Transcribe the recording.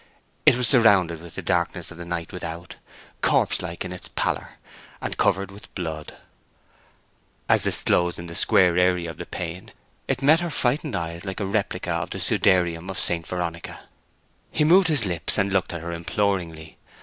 It was surrounded with the darkness of the night without, corpse like in its pallor, and covered with blood. As disclosed in the square area of the pane it met her frightened eyes like a replica of the Sudarium of St. Veronica. He moved his lips, and looked at her imploringly.